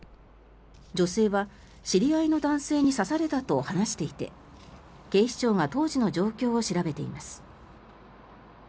女性は、知り合いの男性に刺されたと話していて警視庁が当時の状況を調べています。